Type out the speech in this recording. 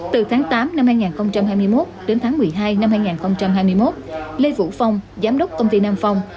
từ tháng tám năm hai nghìn hai mươi một đến tháng một mươi hai năm hai nghìn hai mươi một lê vũ phong giám đốc công ty nam phong